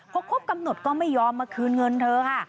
พอครบกำหนดก็ไม่ยอมมาคืนเงินเธอค่ะ